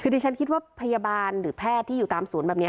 คือดิฉันคิดว่าพยาบาลหรือแพทย์ที่อยู่ตามศูนย์แบบนี้